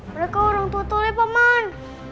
mereka orang tua toleh pak man